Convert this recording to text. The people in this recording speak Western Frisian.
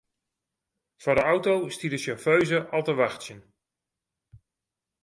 Foar de auto stie de sjauffeuze al te wachtsjen.